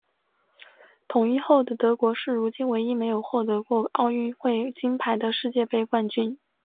统一后的德国是如今唯一没有获得过奥运会金牌的世界杯冠军。